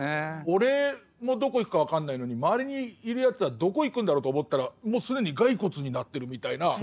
俺もどこ行くか分かんないのに周りにいるやつはどこ行くんだろうと思ったらもう既に骸骨になってるみたいな。